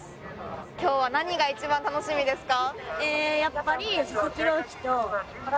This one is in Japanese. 今日は何が一番楽しみですか。